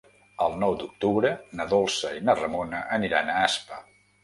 El nou d'octubre na Dolça i na Ramona aniran a Aspa.